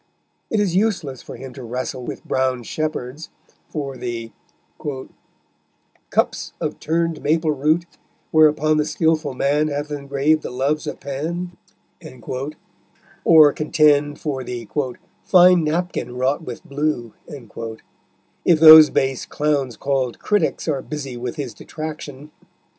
It is useless for him to wrestle with brown shepherds for the Cups of turnèd maple root, Whereupon the skilful man Hath engraved the Loves of Pan, or contend for the "fine napkin wrought with blue," if those base clowns called critics are busy with his detraction.